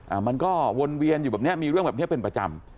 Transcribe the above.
อ่ามันก็วนเวียนอยู่แบบเนี้ยมีเรื่องแบบเนี้ยเป็นประจำ